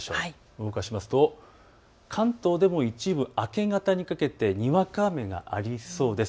動かしますと関東でも一部、明け方にかけてにわか雨がありそうです。